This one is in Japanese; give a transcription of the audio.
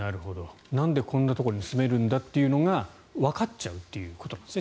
なんでこんなところに住めるんだというのがわかっちゃうということですね